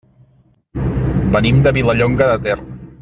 Venim de Vilallonga de Ter.